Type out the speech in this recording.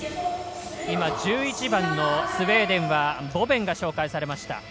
今、１１番のスウェーデンはボベンが紹介されました。